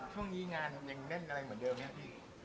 ช่วงนี้งานยังแน่นอะไรเหมือนเดิมไหมครับพี่